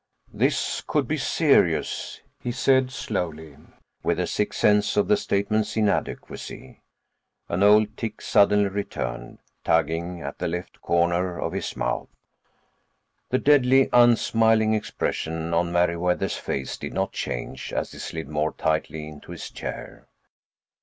"This could be serious," he said slowly, with a sick sense of the statement's inadequacy. An old tic suddenly returned, tugging at the left corner of his mouth. The deadly, unsmiling expression on Meriwether's face did not change as he slid more tightly into his chair.